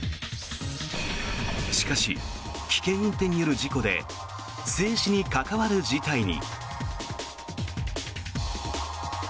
しかし、危険運転による事故で生死に関わる事態に。